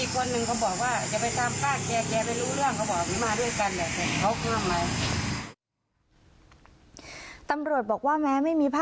กวนมันจะตีเนี่ยก็เลยกลัวมันก็จริงตรงเนี่ย๔๕